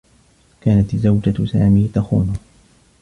كانت زوجة سامي تخونه.